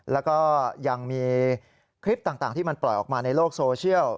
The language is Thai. แล้วก็ยังมีคลิปต่างที่มันปล่อยออกมาในโลกโซเชียล